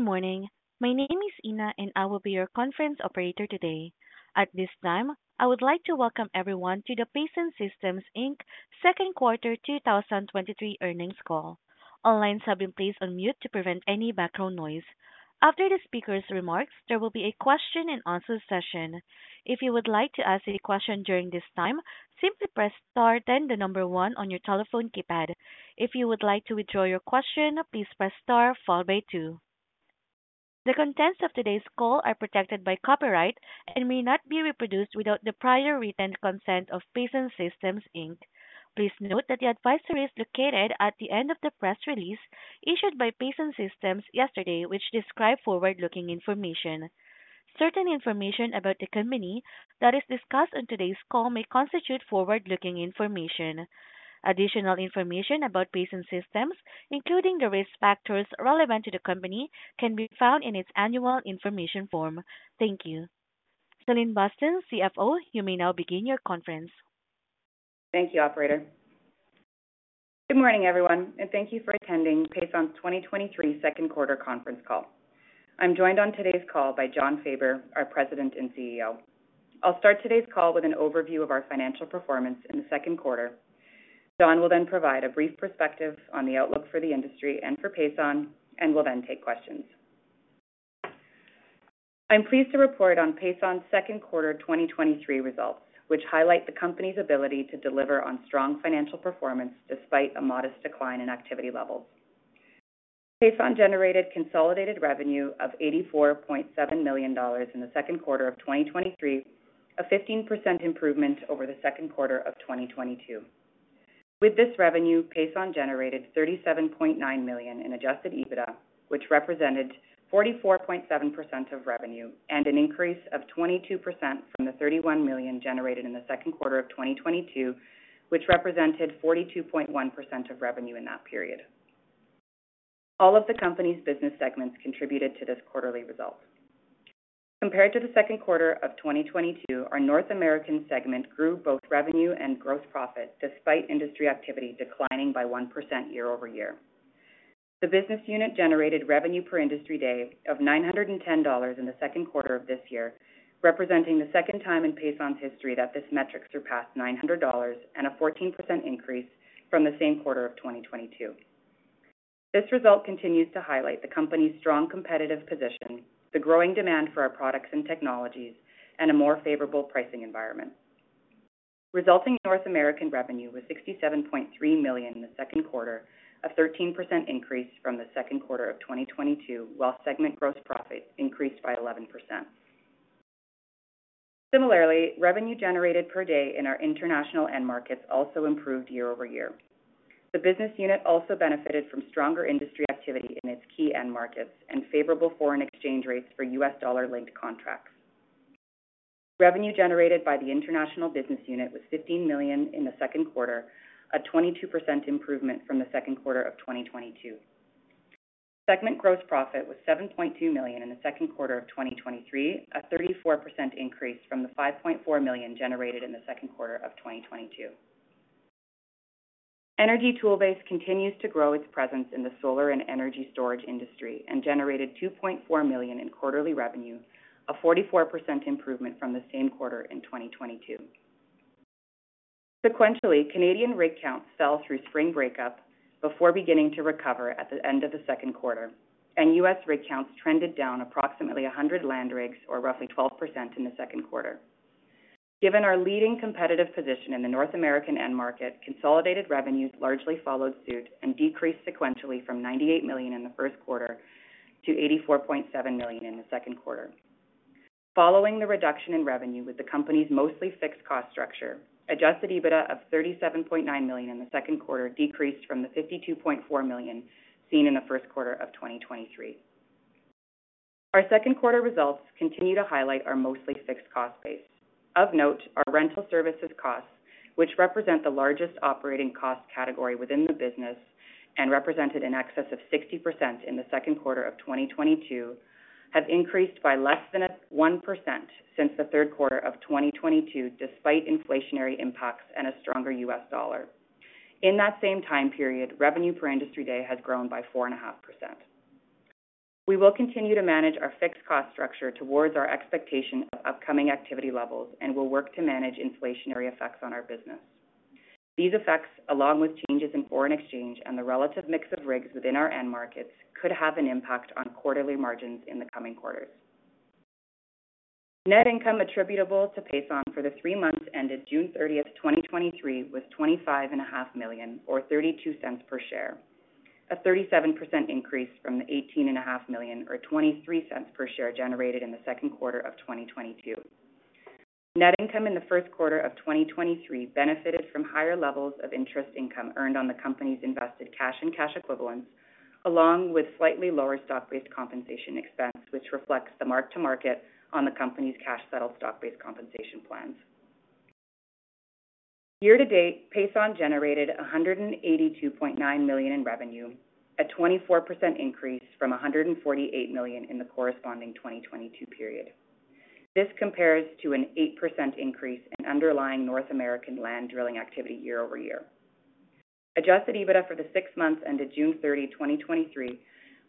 Good morning. My name is Ina, and I will be your conference operator today. At this time, I would like to welcome everyone to the Pason Systems Inc. second quarter 2023 earnings call. All lines have been placed on mute to prevent any background noise. After the speaker's remarks, there will be a question and answer session. If you would like to ask any question during this time, simply press star, then 1 on your telephone keypad. If you would like to withdraw your question, please press star followed by 2. The contents of today's call are protected by copyright and may not be reproduced without the prior written consent of Pason Systems Inc. Please note that the advisory is located at the end of the press release issued by Pason Systems yesterday, which describe forward-looking information. Certain information about the company that is discussed on today's call may constitute forward-looking information. Additional information about Pason Systems, including the risk factors relevant to the company, can be found in its annual information form. Thank you. Celine Boston, CFO, you may now begin your conference. Thank you, operator. Good morning, everyone, thank you for attending Pason's 2023 second quarter conference call. I'm joined on today's call by Jon Faber, our President and CEO. I'll start today's call with an overview of our financial performance in the second quarter. Jon will then provide a brief perspective on the outlook for the industry and for Pason, and we'll then take questions. I'm pleased to report on Pason's second quarter 2023 results, which highlight the company's ability to deliver on strong financial performance despite a modest decline in activity levels. Pason generated consolidated revenue of $84.7 million in the second quarter of 2023, a 15% improvement over the second quarter of 2022. With this revenue, Pason generated $37.9 million in Adjusted EBITDA, which represented 44.7% of revenue and an increase of 22% from the $31 million generated in the second quarter of 2022, which represented 42.1% of revenue in that period. All of the company's business segments contributed to this quarterly result. Compared to the second quarter of 2022, our North American segment grew both revenue and gross profit, despite industry activity declining by 1% year-over-year. The business unit generated revenue per industry day of $910 in the second quarter of this year, representing the second time in Pason's history that this metric surpassed $900 and a 14% increase from the same quarter of 2022. This result continues to highlight the company's strong competitive position, the growing demand for our products and technologies, and a more favorable pricing environment. Resulting North American revenue was $67.3 million in the second quarter, a 13% increase from the second quarter of 2022, while segment gross profit increased by 11%. Similarly, revenue generated per day in our international end markets also improved year-over-year. The business unit also benefited from stronger industry activity in its key end markets and favorable foreign exchange rates for U.S. dollar-linked contracts. Revenue generated by the international business unit was $15 million in the second quarter, a 22% improvement from the second quarter of 2022. Segment gross profit was $7.2 million in the second quarter of 2023, a 34% increase from the $5.4 million generated in the second quarter of 2022. Energy Toolbase continues to grow its presence in the solar and energy storage industry and generated $2.4 million in quarterly revenue, a 44% improvement from the same quarter in 2022. Sequentially, Canadian rig counts fell through spring breakup before beginning to recover at the end of the second quarter, and U.S. rig counts trended down approximately 100 land rigs, or roughly 12% in the second quarter. Given our leading competitive position in the North American end market, consolidated revenues largely followed suit and decreased sequentially from $98 million in the first quarter to $84.7 million in the second quarter. Following the reduction in revenue with the company's mostly fixed cost structure, Adjusted EBITDA of $37.9 million in the second quarter decreased from the $52.4 million seen in the first quarter of 2023. Our second quarter results continue to highlight our mostly fixed cost base. Of note, our rental services costs, which represent the largest operating cost category within the business and represented in excess of 60% in the second quarter of 2022, have increased by less than 1% since the third quarter of 2022, despite inflationary impacts and a stronger U.S. dollar. In that same time period, revenue per industry day has grown by 4.5%. We will continue to manage our fixed cost structure towards our expectation of upcoming activity levels and will work to manage inflationary effects on our business. These effects, along with changes in foreign exchange and the relative mix of rigs within our end markets, could have an impact on quarterly margins in the coming quarters. Net income attributable to Pason for the three months ended June 30th, 2023, was $25.5 million, or $0.32 per share, a 37% increase from the $18.5 million or $0.23 per share generated in the second quarter of 2022. Net income in the first quarter of 2023 benefited from higher levels of interest income earned on the company's invested cash and cash equivalents, along with slightly lower stock-based compensation expense, which reflects the mark-to-market on the company's cash-settled stock-based compensation plans. Year-to-date, Pason generated $182.9 million in revenue, a 24% increase from $148 million in the corresponding 2022 period. This compares to an 8% increase in underlying North American land drilling activity year-over-year. Adjusted EBITDA for the six months ended June 30, 2023,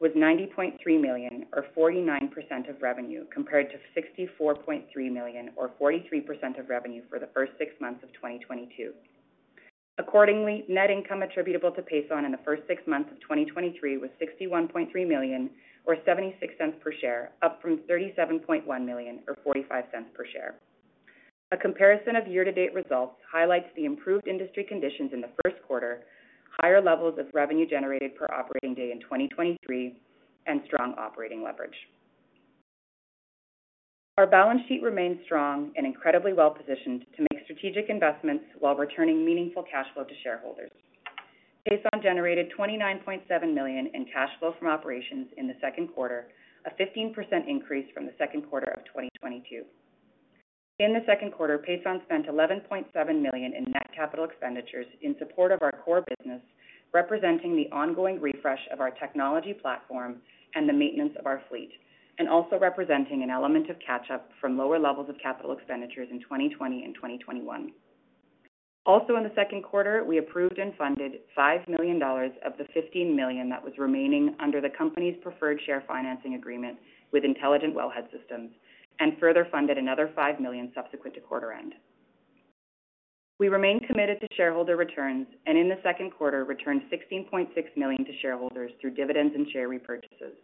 was $90.3 million or 49% of revenue, compared to $64.3 million or 43% of revenue for the first six months of 2022. Accordingly, net income attributable to Pason in the first six months of 2023 was $61.3 million or $0.76 per share, up from $37.1 million or $0.45 per share. A comparison of year-to-date results highlights the improved industry conditions in the first quarter, higher levels of revenue generated per operating day in 2023, and strong operating leverage. Our balance sheet remains strong and incredibly well-positioned to make strategic investments while returning meaningful cash flow to shareholders. Pason generated $29.7 million in cash flow from operations in the second quarter, a 15% increase from the second quarter of 2022. In the second quarter, Pason spent $11.7 million in net capital expenditures in support of our core business, representing the ongoing refresh of our technology platform and the maintenance of our fleet, and also representing an element of catch-up from lower levels of capital expenditures in 2020 and 2021. Also in the second quarter, we approved and funded $5 million of the $15 million that was remaining under the company's preferred share financing agreement with Intelligent Wellhead Systems, and further funded another $5 million subsequent to quarter end. We remain committed to shareholder returns, and in the second quarter, returned $16.6 million to shareholders through dividends and share repurchases.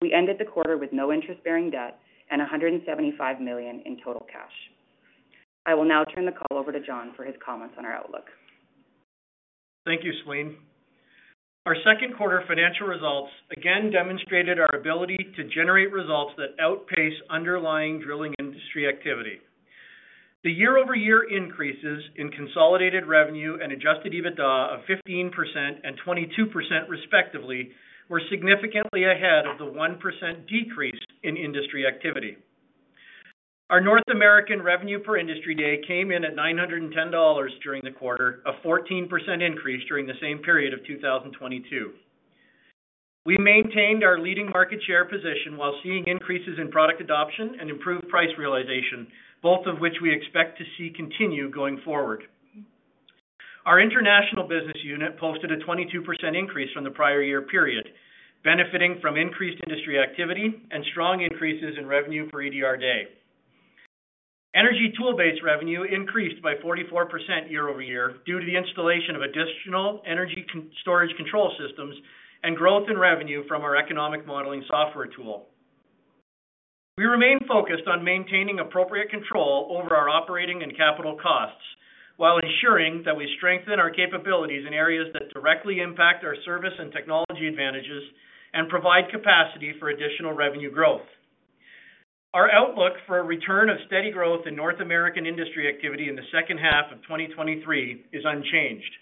We ended the quarter with no interest-bearing debt and $175 million in total cash. I will now turn the call over to Jon for his comments on our outlook. Thank you, Celine. Our second quarter financial results again demonstrated our ability to generate results that outpace underlying drilling industry activity. The year-over-year increases in consolidated revenue and Adjusted EBITDA of 15% and 22%, respectively, were significantly ahead of the 1% decrease in industry activity. Our North American revenue per industry day came in at $910 during the quarter, a 14% increase during the same period of 2022. We maintained our leading market share position while seeing increases in product adoption and improved price realization, both of which we expect to see continue going forward. Our international business unit posted a 22% increase from the prior year period, benefiting from increased industry activity and strong increases in revenue per EDR day. Energy Toolbase's revenue increased by 44% year-over-year due to the installation of additional energy storage control systems and growth in revenue from our economic modeling software tool. We remain focused on maintaining appropriate control over our operating and capital costs while ensuring that we strengthen our capabilities in areas that directly impact our service and technology advantages and provide capacity for additional revenue growth. Our outlook for a return of steady growth in North American industry activity in the second half of 2023 is unchanged.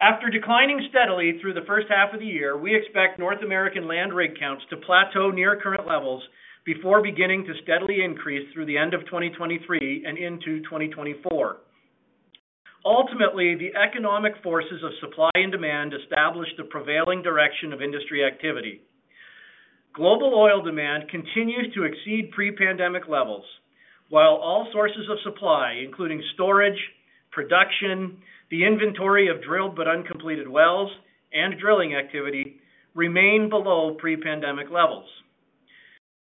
After declining steadily through the first half of the year, we expect North American land rig counts to plateau near current levels before beginning to steadily increase through the end of 2023 and into 2024. Ultimately, the economic forces of supply and demand establish the prevailing direction of industry activity. Global oil demand continues to exceed pre-pandemic levels, while all sources of supply, including storage, production, the inventory of drilled but uncompleted wells, and drilling activity, remain below pre-pandemic levels.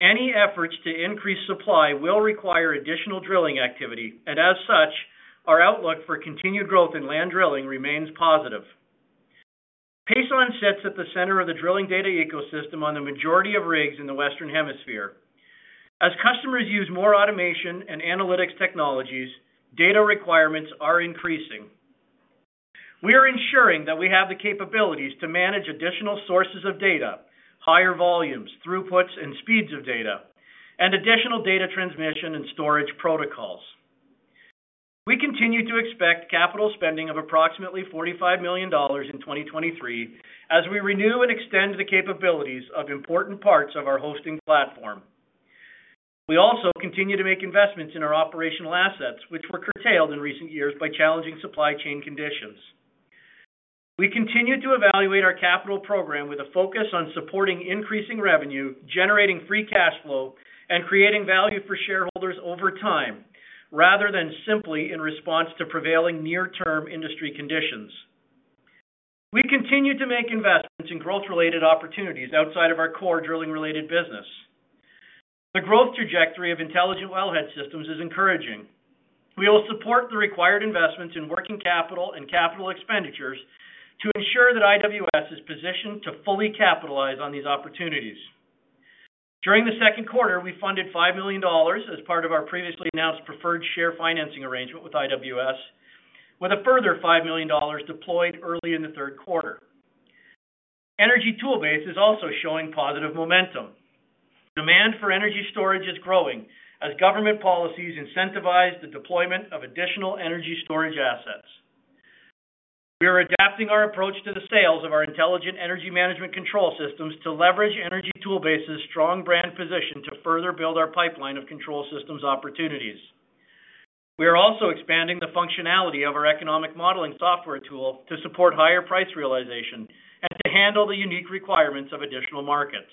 Any efforts to increase supply will require additional drilling activity, and as such, our outlook for continued growth in land drilling remains positive. Pason sits at the center of the drilling data ecosystem on the majority of rigs in the Western Hemisphere. As customers use more automation and analytics technologies, data requirements are increasing. We are ensuring that we have the capabilities to manage additional sources of data, higher volumes, throughputs, and speeds of data, and additional data transmission and storage protocols. We continue to expect capital spending of approximately $45 million in 2023 as we renew and extend the capabilities of important parts of our hosting platform. We also continue to make investments in our operational assets, which were curtailed in recent years by challenging supply chain conditions. We continue to evaluate our capital program with a focus on supporting increasing revenue, generating free cash flow, and creating value for shareholders over time, rather than simply in response to prevailing near-term industry conditions. We continue to make investments in growth-related opportunities outside of our core drilling-related business. The growth trajectory of Intelligent Wellhead Systems is encouraging. We will support the required investments in working capital and capital expenditures to ensure that IWS is positioned to fully capitalize on these opportunities. During the second quarter, we funded $5 million as part of our previously announced preferred share financing arrangement with IWS, with a further $5 million deployed early in the third quarter. Energy Toolbase is also showing positive momentum. Demand for energy storage is growing as government policies incentivize the deployment of additional energy storage assets. We are adapting our approach to the sales of our intelligent energy management control systems to leverage Energy Toolbase's strong brand position to further build our pipeline of control systems opportunities. We are also expanding the functionality of our economic modeling software tool to support higher price realization and to handle the unique requirements of additional markets.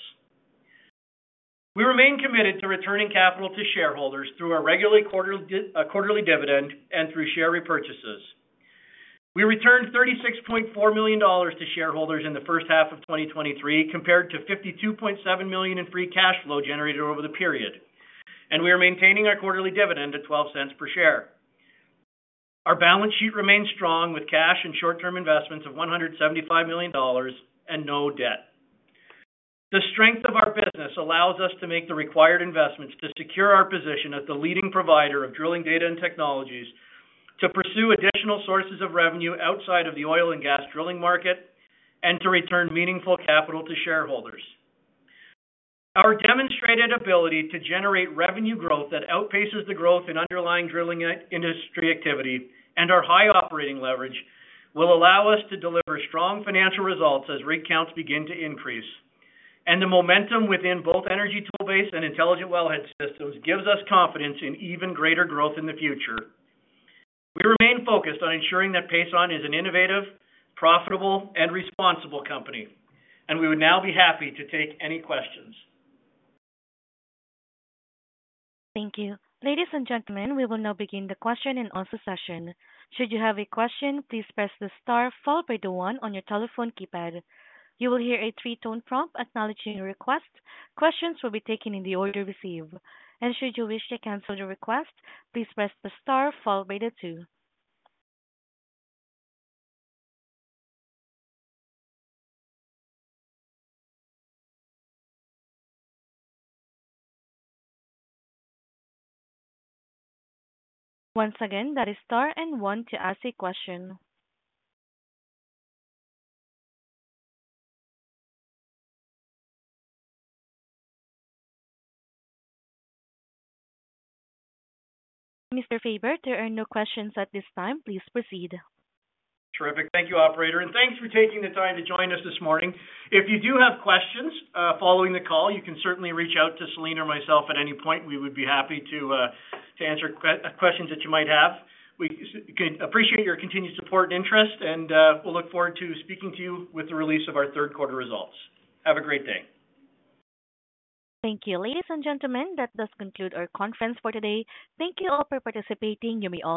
We remain committed to returning capital to shareholders through our regularly quarterly dividend and through share repurchases. We returned $36.4 million to shareholders in the first half of 2023, compared to $52.7 million in free cash flow generated over the period, and we are maintaining our quarterly dividend at $0.12 per share. Our balance sheet remains strong with cash and short-term investments of $175 million and no debt. The strength of our business allows us to make the required investments to secure our position as the leading provider of drilling data and technologies, to pursue additional sources of revenue outside of the oil and gas drilling market, and to return meaningful capital to shareholders. Our demonstrated ability to generate revenue growth that outpaces the growth in underlying drilling industry activity and our high operating leverage will allow us to deliver strong financial results as rig counts begin to increase. The momentum within both Energy Toolbase and Intelligent Wellhead Systems gives us confidence in even greater growth in the future. We remain focused on ensuring that Pason is an innovative, profitable, and responsible company. We would now be happy to take any questions. Thank you. Ladies and gentlemen, we will now begin the question and answer session. Should you have a question, please press the star followed by the one on your telephone keypad. You will hear a three-tone prompt acknowledging your request. Questions will be taken in the order received, and should you wish to cancel your request, please press the star followed by the two. Once again, that is star and one to ask a question. Mr. Faber, there are no questions at this time. Please proceed. Terrific. Thank you, operator, and thanks for taking the time to join us this morning. If you do have questions, following the call, you can certainly reach out to Celine or myself at any point. We would be happy to, to answer questions that you might have. We appreciate your continued support and interest, and we'll look forward to speaking to you with the release of our third quarter results. Have a great day. Thank you. Ladies and gentlemen, that does conclude our conference for today. Thank you all for participating. You may all disconnect.